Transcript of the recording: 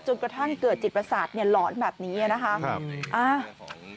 จนกระทั่งเกิดจิตประสาทหลอนแบบนี้นะครับ